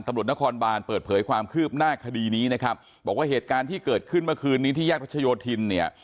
ตำรวจนครบานเปิดเผยความคืบหน้าคดีนี้นะครับบอกว่าเหตุการณ์ที่เกิดขึ้นเมื่อคืนนี้ที่แยกรัชโยธินเนี่ย